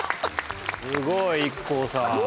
すごいＩＫＫＯさん。